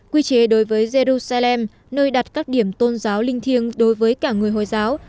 quy chế đối với jerusalem nơi đặt các điểm tôn giáo linh thiêng đối với cả người hồi giáo